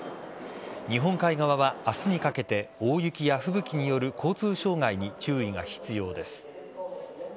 日本海側は、明日にかけて大雪や吹雪による交通障害に注意が必要です。